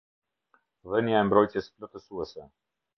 Dhënia e mbrojtjes plotësuese.